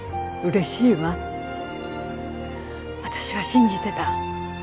私は信じてた。